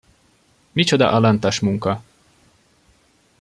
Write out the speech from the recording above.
Micsoda alantas munka!